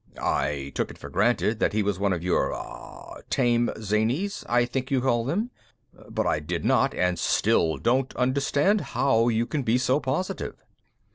I took it for granted that he was one of your ... ah ... 'tame zanies', I think you called them. But I did not and still don't understand how you can be so positive."